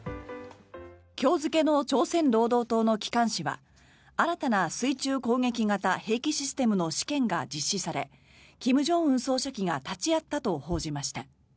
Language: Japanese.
今日付の朝鮮労働党の機関紙は新たな水中攻撃型兵器システムの試験が実施され金正恩総書記が立ち会ったと報じました。